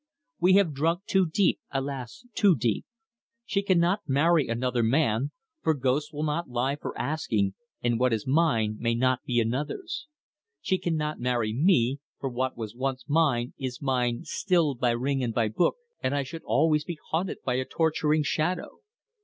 We have drunk too deep alas! too deep. She cannot marry another man, for ghosts will not lie for asking, and what is mine may not be another's. She cannot marry me, for what once was mine is mine still by ring and by book, and I should always be haunted by a torturing shadow.